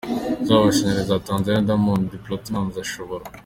z'amashilingi ya Tanzaniya Diamond Platnumz ashobora